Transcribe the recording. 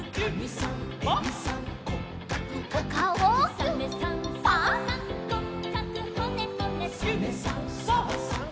「サメさんサバさん